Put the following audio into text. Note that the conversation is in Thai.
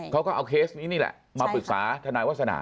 เขาก็เอาเคสนี้นี่แหละมาปรึกษาทนายวาสนา